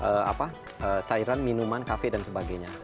media massa berhubungan dengan apa cairan minuman kafe dan sebagainya